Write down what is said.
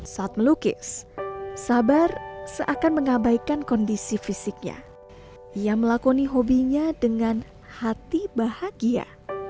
saat melukis sabar seakan mengabaikan kondisi fisiknya ia melakoni hobinya dengan hati bahagia